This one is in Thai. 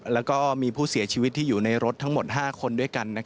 แล้วก็มีผู้เสียชีวิตที่อยู่ในรถทั้งหมด๕คนด้วยกัน